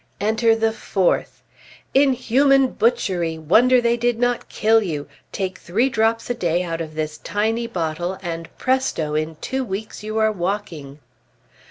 Enter the fourth. Inhuman butchery! wonder they did not kill you! Take three drops a day out of this tiny bottle, and presto! in two weeks you are walking!